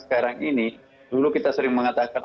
sekarang ini dulu kita sering mengatakan